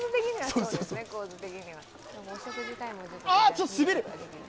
ちょっと、滑る！